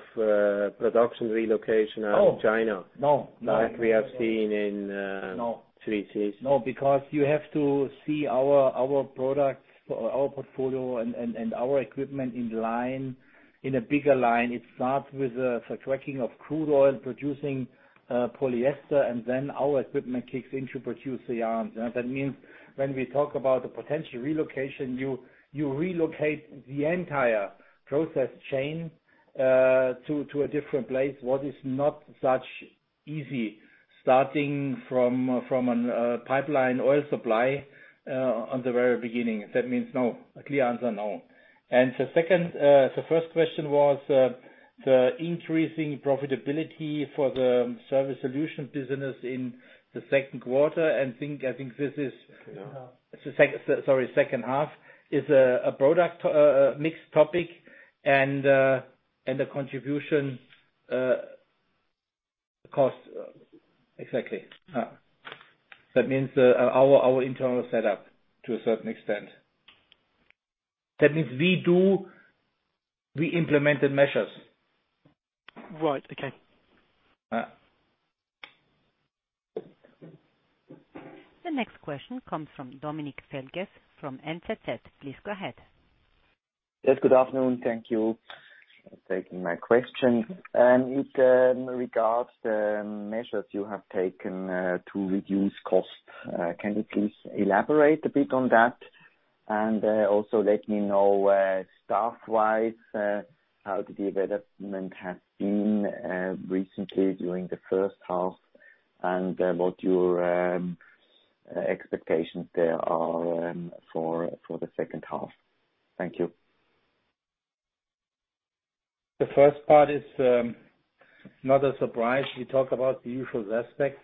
production relocation out of China? Oh, no. Like we have seen. No 3Cs. You have to see our products or our portfolio and our equipment in a bigger line. It starts with the tracking of crude oil producing polyester, and then our equipment kicks in to produce the yarns. When we talk about the potential relocation, you relocate the entire process chain to a different place. What is not such easy, starting from a pipeline oil supply on the very beginning. No. A clear answer, no. The first question was the increasing profitability for the Surface Solutions business in the second quarter. Second half. Sorry, second half, is a product mixed topic, and the contribution, cost. Exactly. That means our internal set up to a certain extent. That means we implemented measures. Right. Okay. Yeah. The next question comes from Dominik Feldges from NZZ. Please go ahead. Yes, good afternoon. Thank you. Taking my question. In regards the measures you have taken to reduce costs, can you please elaborate a bit on that? Also let me know staff-wise, how the development has been recently during the first half, and what your expectations there are for the second half. Thank you. The first part is not a surprise. We talk about the usual aspects.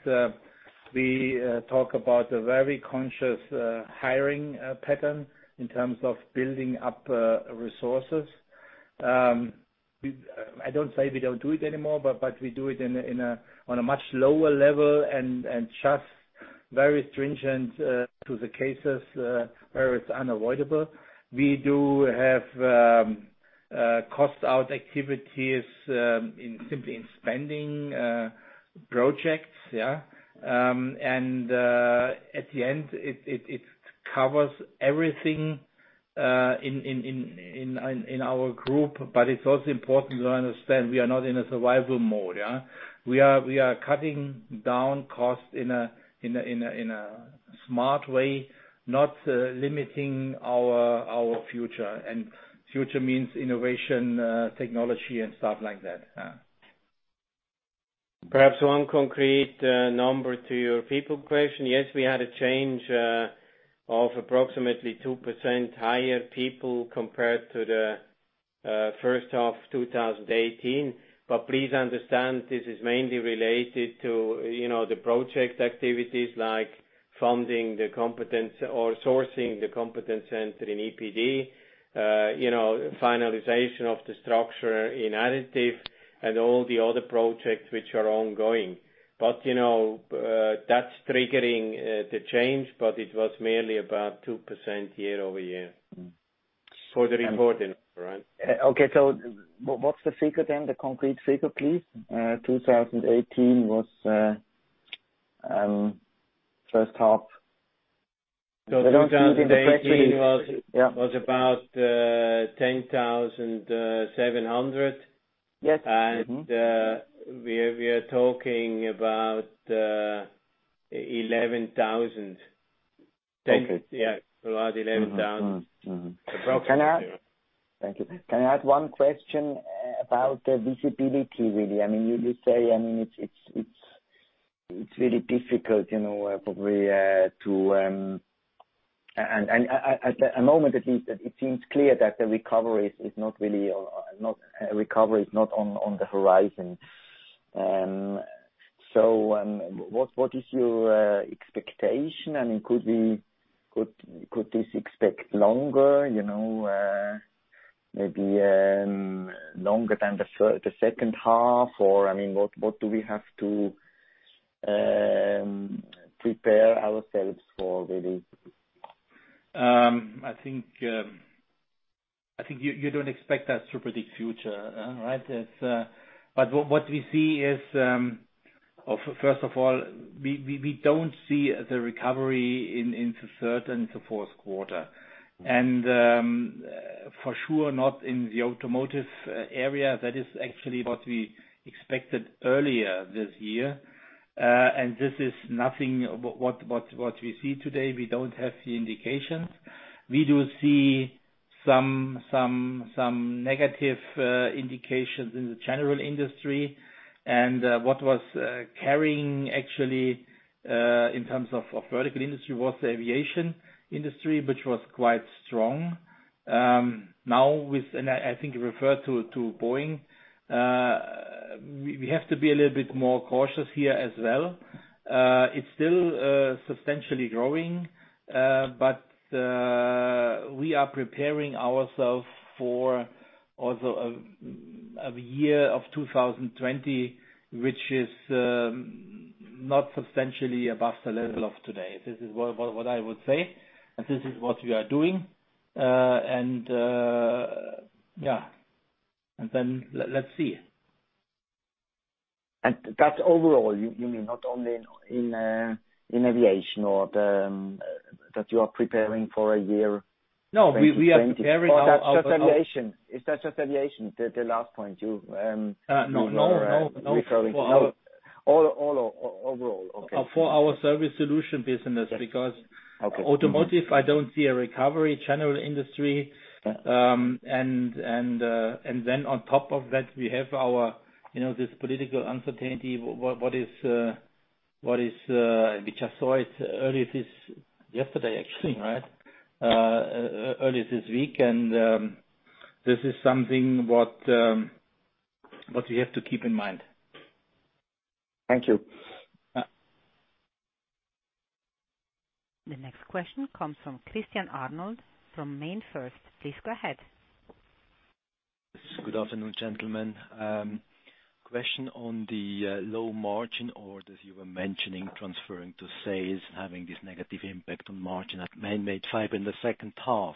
We talk about a very conscious hiring pattern in terms of building up resources. I don't say we don't do it anymore, but we do it on a much lower level and just very stringent to the cases where it's unavoidable. We do have cost out activities simply in spending projects. At the end, it covers everything in our group. It's also important to understand we are not in a survival mode. We are cutting down costs in a smart way, not limiting our future. Future means innovation, technology, and stuff like that. Perhaps one concrete number to your people question. Yes, we had a change of approximately 2% higher people compared to the first half of 2018. Please understand, this is mainly related to the project activities like funding the competence or sourcing the EPD Competence Center, finalization of the structure in additive and all the other projects which are ongoing. That's triggering the change, but it was merely about 2% year-over-year for the reporting. All right. Okay. What's the figure then? The concrete figure, please? 2018 was first half. 2018 was. Yeah. Was about 10,700. Yes. We are talking about 11,000. Okay. Yeah. Around 11,000. Approximate. Thank you. Can I add one question about the visibility, really? You say, it's really difficult, probably, at the moment at least, it seems clear that the recovery is not on the horizon. What is your expectation? Could this expect longer, maybe, longer than the second half? What do we have to prepare ourselves for, really? I think you don't expect us to predict future, right? What we see is, first of all, we don't see the recovery into third and the fourth quarter. For sure, not in the automotive area. That is actually what we expected earlier this year. This is nothing what we see today. We don't have the indications. We do see some negative indications in the general industry. What was carrying actually, in terms of vertical industry, was the aviation industry, which was quite strong. I think you referred to Boeing. We have to be a little bit more cautious here as well. It's still substantially growing. We are preparing ourself for also a year of 2020, which is not substantially above the level of today. This is what I would say, and this is what we are doing. Let's see. That's overall, you mean, not only in aviation or that you are preparing for a year- No, we are preparing our. That's just aviation? Is that just aviation? No. You were referring to? No. All overall. Okay. For our Surface Solutions business. Okay. Automotive, I don't see a recovery, general industry. Okay. On top of that, we have this political uncertainty, which I saw it yesterday actually, right? Early this week, this is something what you have to keep in mind. Thank you. Yeah. The next question comes from Christian Arnold from MainFirst. Please go ahead. Yes. Good afternoon, gentlemen. Question on the low margin orders you were mentioning transferring to sales, having this negative impact on margin at Manmade Fibers in the second half.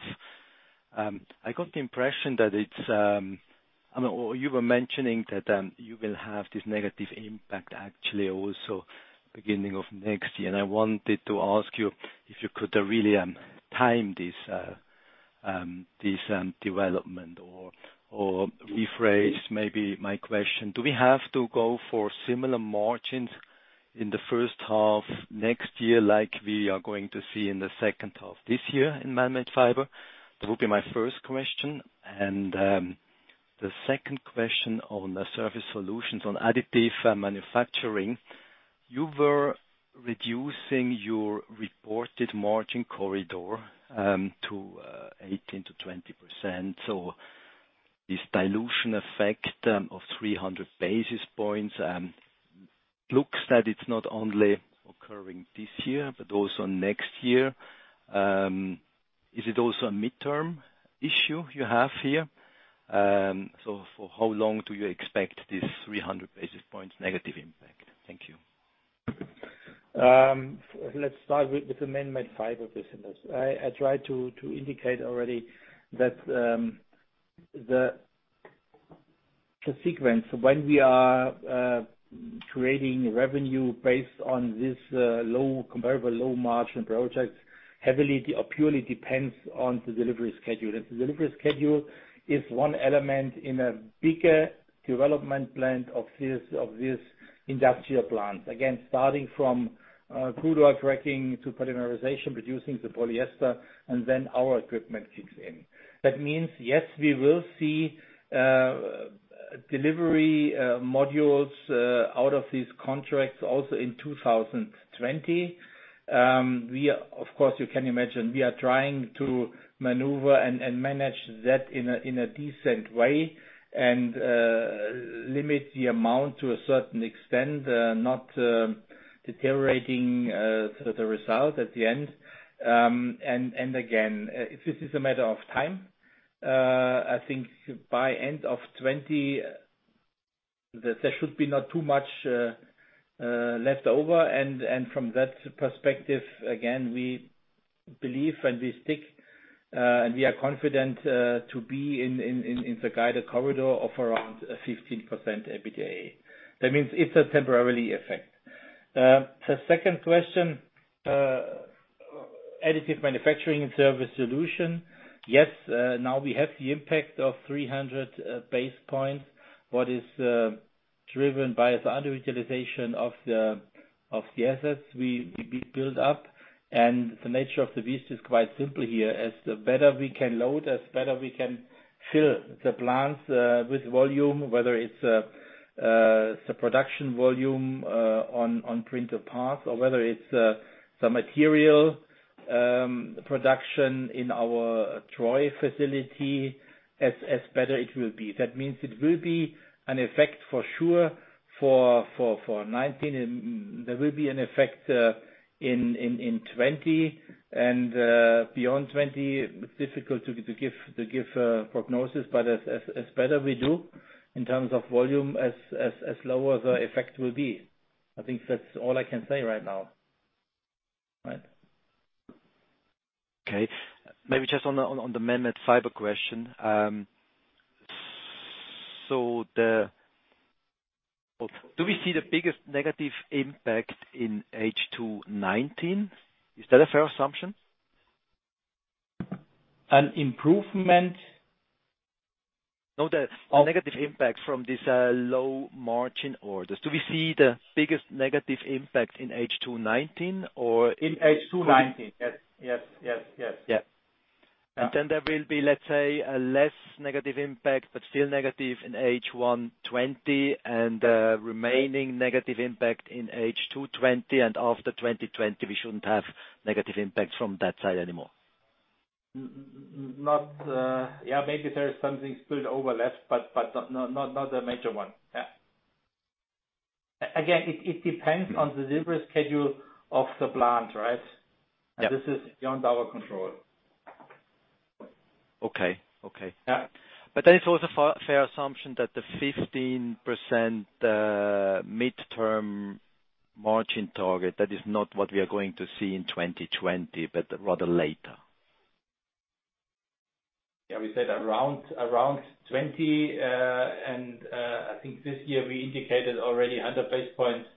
I got the impression that you were mentioning that you will have this negative impact actually also beginning of next year. I wanted to ask you if you could really time this development, or rephrase maybe my question. Do we have to go for similar margins in the first half next year like we are going to see in the second half this year in Manmade Fibers? That will be my first question. The second question on the Surface Solutions on additive manufacturing. You were reducing your reported margin corridor to 18%-20%. This dilution effect of 300 basis points looks that it's not only occurring this year, but also next year. Is it also a midterm issue you have here? For how long do you expect this 300 basis points negative impact? Thank you. Let's start with the Manmade Fibers business. I tried to indicate already that the sequence when we are creating revenue based on this comparable low margin projects heavily or purely depends on the delivery schedule. The delivery schedule is one element in a bigger development plan of this industrial plant. Again, starting from crude oil cracking to polymerization, producing the polyester, and then our equipment kicks in. That means, yes, we will see delivery modules out of these contracts also in 2020. Of course, you can imagine, we are trying to maneuver and manage that in a decent way and limit the amount to a certain extent, not deteriorating the result at the end. Again, this is a matter of time. I think by end of 2020, there should be not too much leftover. From that perspective, again, we believe and we stick and we are confident to be in the guided corridor of around 15% EBITDA. That means it's a temporary effect. The second question, additive manufacturing and Surface Solutions. Yes, now we have the impact of 300 basis points. What is driven by is the underutilization of the assets we build up. The nature of the beast is quite simple here. As the better we can load, as better we can fill the plants with volume, whether it's the production volume on printer parts or whether it's the material production in our Troy facility, as better it will be. That means it will be an effect for sure for 2019, and there will be an effect in 2020. Beyond 2020, it's difficult to give a prognosis, but as better we do in terms of volume, as lower the effect will be. I think that's all I can say right now. Right. Okay. Maybe just on the Manmade Fibers question. Do we see the biggest negative impact in H2 2019? Is that a fair assumption? An improvement? No, the negative impact from this low margin orders. Do we see the biggest negative impact in H2 2019? In H2 2019. Yes. Yeah. There will be, let's say, a less negative impact, but still negative in H1 2020, and remaining negative impact in H2 2020. After 2020, we shouldn't have negative impact from that side anymore. Not Yeah, maybe there is something spilled over left, but not a major one. Again, it depends on the delivery schedule of the plant, right? Yeah. This is beyond our control. Okay. Yeah. It's also a fair assumption that the 15% midterm margin target, that is not what we are going to see in 2020, but rather later. Yeah. We said around 2020. I think this year we indicated already 100 basis points.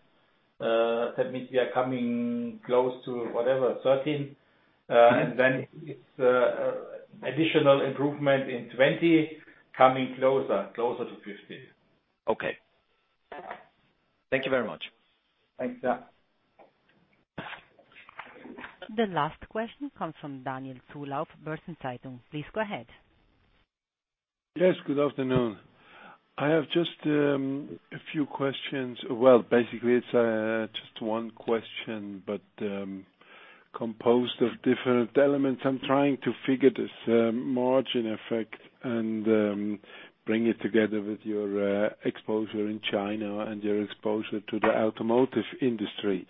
That means we are coming close to whatever, 13. It's additional improvement in 2020, coming closer to 15. Okay. Thank you very much. Thanks. The last question comes from Daniel Zulauf, Börsen-Zeitung. Please go ahead. Yes, good afternoon. I have just a few questions. Well, basically, it's just one question, but composed of different elements. I'm trying to figure this margin effect and bring it together with your exposure in China and your exposure to the automotive industry.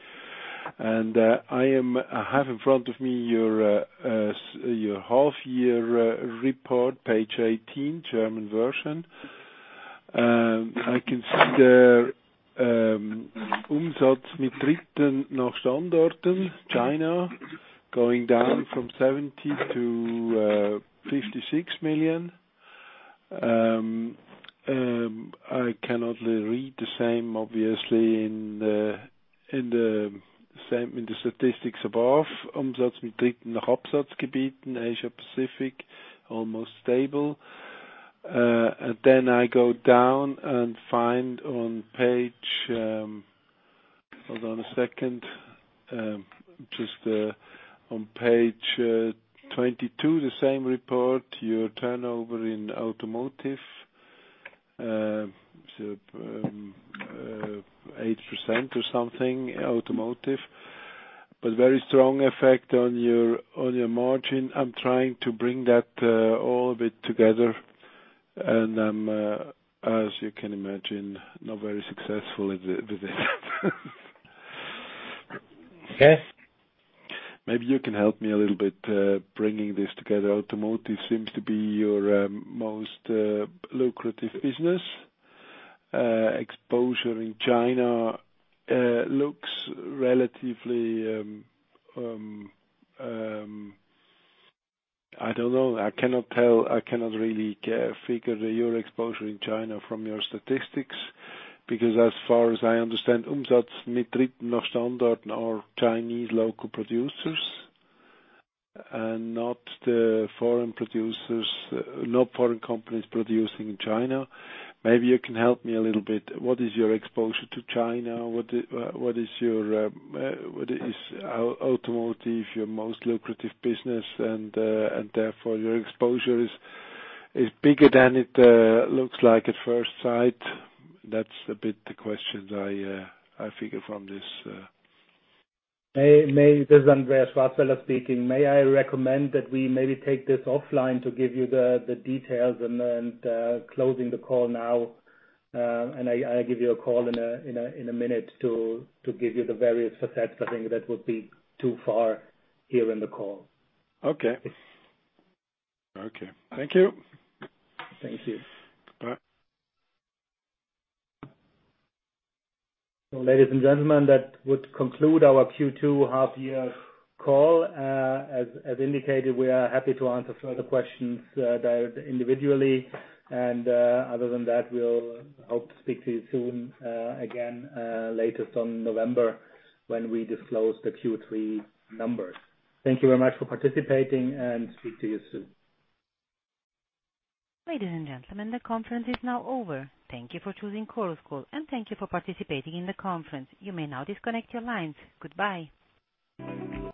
I have in front of me your half year report, page 18, German version. I can see there, China going down from 70 million to 56 million. I cannot read the same, obviously, in the statistics above. Umsatz mit Dritten nach Absatzgebieten, Asia Pacific, almost stable. I go down and find. Hold on a second. Just on page 22, the same report, your turnover in automotive, 8% or something, automotive, but very strong effect on your margin. I'm trying to bring that all a bit together and I'm, as you can imagine, not very successful with it. Yes. Maybe you can help me a little bit bringing this together. Automotive seems to be your most lucrative business. Exposure in China looks relatively, I don't know. I cannot tell. I cannot really figure your exposure in China from your statistics, because as far as I understand, Umsatz mit Dritten nach Standorten are Chinese local producers and not the foreign producers, no foreign companies producing in China. Maybe you can help me a little bit. What is your exposure to China? Is automotive your most lucrative business and therefore your exposure is bigger than it looks like at first sight? That's a bit the questions I figure from this. This is Andreas Schwarzwälder speaking. May I recommend that we maybe take this offline to give you the details and closing the call now. I give you a call in a minute to give you the various facets. I think that would be too far here in the call. Okay. Thank you. Thank you. Bye. Ladies and gentlemen, that would conclude our Q2 half year call. As indicated, we are happy to answer further questions individually. Other than that, we'll hope to speak to you soon again, latest on November, when we disclose the Q3 numbers. Thank you very much for participating and speak to you soon. Ladies and gentlemen, the conference is now over. Thank you for choosing Chorus Call and thank you for participating in the conference. You may now disconnect your lines. Goodbye.